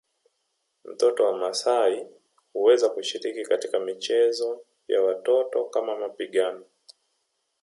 Mtoto wa maasai huweza kushiriki katika michezo ya watoto kama mapigano